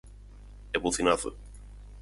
E bucinazo.